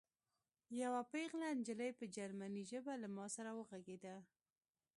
یوه پېغله نجلۍ په جرمني ژبه له ما سره وغږېده